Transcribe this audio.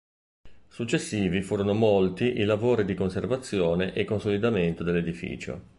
Successivi furono molti i lavori di conservazione e consolidamento dell'edificio.